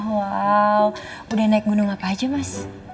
wow udah naik gunung apa aja mas